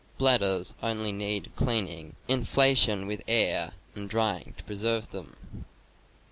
Bladders only need cleaning, inflation with air and drying to preserve them.